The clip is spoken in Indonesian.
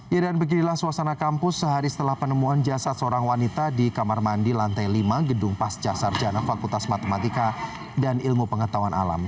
ya dan beginilah suasana kampus sehari setelah penemuan jasad seorang wanita di kamar mandi lantai lima gedung pasca sarjana fakultas matematika dan ilmu pengetahuan alam